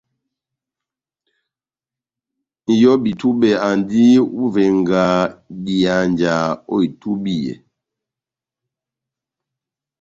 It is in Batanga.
Nʼyobi-túbɛ andi ó ivenga dihanja ó itúbiyɛ.